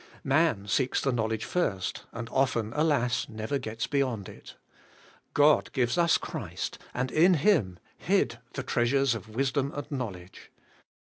Man seeks the knowledge first, and often, alas! never gets beyond it. God gives us Christ, and in Him hid the treasures of wisdom and knowledge.